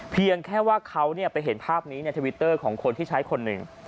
เพียงแค่ว่าเขาไปเห็นภาพนี้ในทวิตเตอร์ของคนที่ใช้คนหนึ่ง